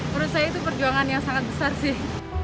menurut saya itu perjuangan yang sangat besar sih